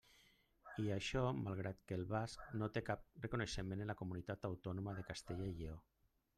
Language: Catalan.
I això malgrat que el basc no té cap reconeixement en la comunitat autònoma de Castella i Lleó.